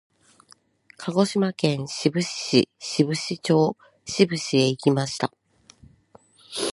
鹿児島県志布志市志布志町志布志へ行きました。